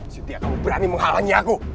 setiap kamu berani menghalangi aku